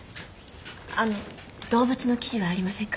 あの動物の記事はありませんか？